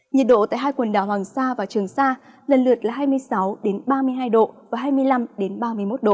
nhiệt độ tại hai quần đảo hoàng sa và trường sa lần lượt là hai mươi sáu ba mươi hai độ và hai mươi năm ba mươi một độ